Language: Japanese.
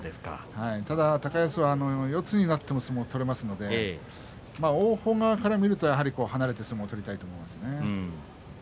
ただ、高安は四つになっても相撲が取れますので王鵬側から見るとやはり離れる相撲を取りたいところですね。